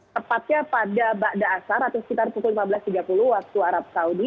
tepatnya pada asar atau sekitar pukul lima belas tiga puluh waktu arab saudi